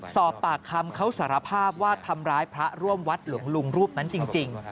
สอบปากคำเขาสารภาพว่าทำร้ายพระร่วมวัดหลวงลุงรูปนั้นจริง